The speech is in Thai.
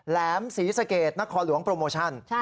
แหลมสีสเกดนักคอหลวงโปรโมชั่น